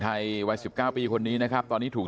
อยู่ในสามบริการที่หนึ่ง